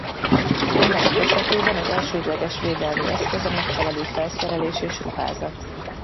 Emberek esetében az elsődleges védelmi eszköz a megfelelő felszerelés és ruházat.